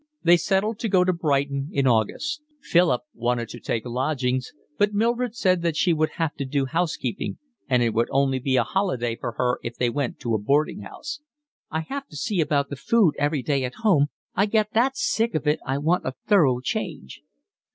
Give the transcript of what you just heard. They settled to go to Brighton in August. Philip wanted to take lodgings, but Mildred said that she would have to do housekeeping, and it would only be a holiday for her if they went to a boarding house. "I have to see about the food every day at home, I get that sick of it I want a thorough change."